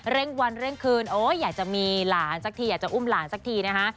เร่งวันเร่งคืนโอ้ยอยากจะมีหลานสักทีอยากจะอุ้มหลานสักทีนะคะ